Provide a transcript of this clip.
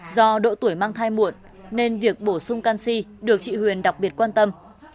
do độ tuổi mang thai muộn nên việc bổ sung canxi được chị huyền đặc biệt quan tâm